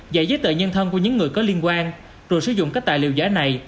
giải giới tệ nhân thân của những người có liên quan rồi sử dụng các tài liệu giả này